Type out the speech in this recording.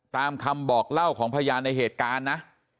ตามคำบอกเล่าของพยานในเหตุการณ์นะ